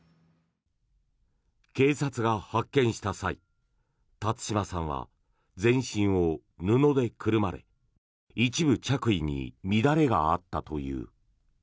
警察が発見した際辰島さんは全身を布でくるまれ一部着衣に乱れがあったという。